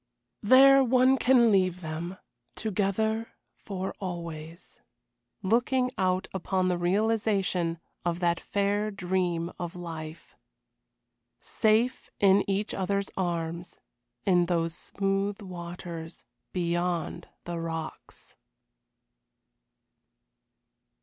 There one can leave them together for always looking out upon the realization of that fair dream of life. Safe in each other's arms, in those smooth waters, beyond the rocks.